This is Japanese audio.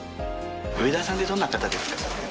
植田さんってどんな方ですか？